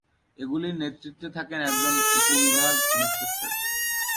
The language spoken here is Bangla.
এগুলির নেতৃত্বে থাকেন একজন উপবিভাগ ইনস্পেক্টর।